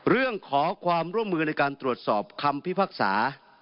เรื่องขอความร่วมมือในการตรวจสอบคำพิพากษา